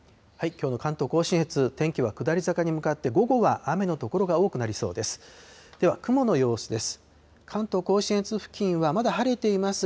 きょうの関東甲信越、天気は下り坂に向かって、午後は雨の所が多くなりそうです。